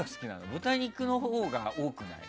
豚肉のほうが多くない？